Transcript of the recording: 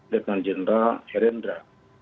datangan jenderal herendra